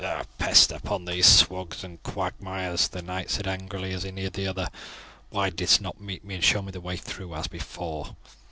"A pest upon these swamps and quagmires," the knight said angrily as he neared the other. "Why didst not meet me and show me the way through, as before?"